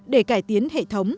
để cải tiến hệ thống